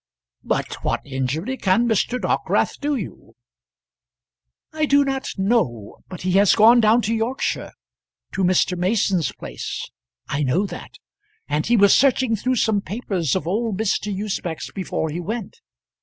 "But what injury can Mr. Dockwrath do you?" "I do not know, but he has gone down to Yorkshire, to Mr. Mason's place; I know that; and he was searching through some papers of old Mr. Usbech's before he went.